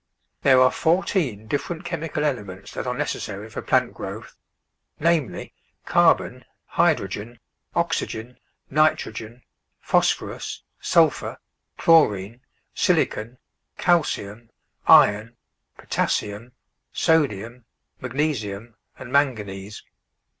There are fourteen different chemical elements that are necessary for plant growth — namely, car bon, hydrogen, oxygen, nitrogen, phosphorus, sulphur, chlorine, silicon, calcium, iron, potassium, sodium, magnesium, and manganese.